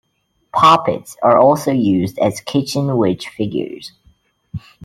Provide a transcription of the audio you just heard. Poppets are also used as kitchen witch figures.